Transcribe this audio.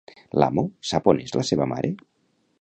L'amo sap on és la seva mare?